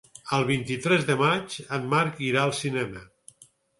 El vint-i-tres de maig en Marc irà al cinema.